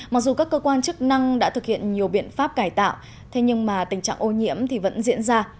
mặc dù các cơ quan chức năng đã thực hiện nhiều biện pháp cải tạo thế nhưng mà tình trạng ô nhiễm thì vẫn diễn ra